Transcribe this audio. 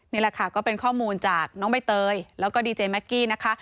นี่แหละค่ะก็เป็นข้อมูลจากน้องใบเตยแล้วก็ดีเจแม็กกี้นะคะ